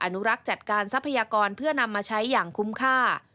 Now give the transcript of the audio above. อนุรักษ์จัดการทรัพยากรเพื่อนำมาใช้อย่างคุ้มค่า